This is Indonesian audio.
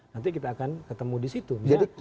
nanti kita akan ketemu disitu